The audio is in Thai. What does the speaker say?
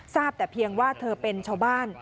ทราบแต่เพียงว่าเธอเป็นชาวบ้าน